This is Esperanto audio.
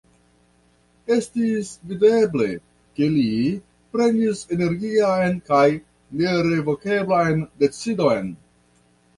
Estis videble, ke li prenis energian kaj nerevokeblan decidon.